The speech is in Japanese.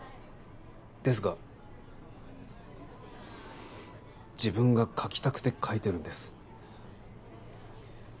ですが自分が描きたくて描いてるんです。